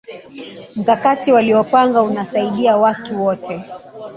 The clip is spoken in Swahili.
Mkakati waliopanga unasaidia watu wote